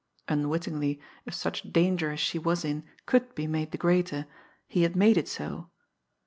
Unwittingly, if such danger as she was in could be made the greater, he had made it so.